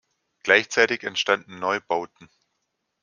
Gleichzeitig entstanden Neubauten.